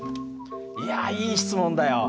いやいい質問だよ。